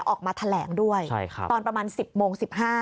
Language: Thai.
ออกมาแถลงด้วยตอนประมาณ๑๐โมง๑๕